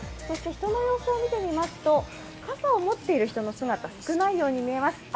そして人の様子を見てみますと、傘を持っている人の姿、少ないように見えます。